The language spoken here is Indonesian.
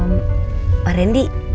emm pak randy